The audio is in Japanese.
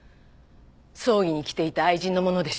葬儀に来ていた愛人のものでしょ？